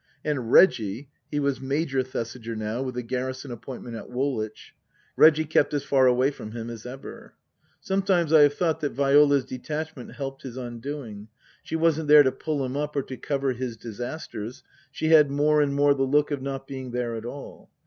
And Reggie (he was Major Thesiger now, with a garrison appoint ment at Woolwich), Reggie kept as far away from him as ever. Sometimes I have thought that Viola's detachment helped his undoing. She wasn't there to pull him up or to cover his disasters ; she had more and more the look of not being there at all.